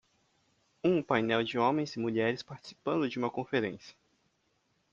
Um painel de homens e mulheres participando de uma conferência.